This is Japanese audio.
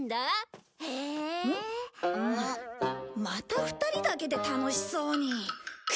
また２人だけで楽しそうに。